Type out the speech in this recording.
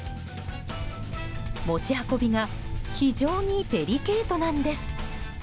持ち運びが非常にデリケートなんです。